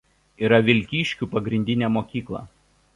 Yra Vilkiškių pagrindinė mokykla.